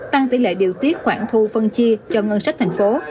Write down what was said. tăng tỷ lệ điều tiết khoản thu phân chia cho ngân sách thành phố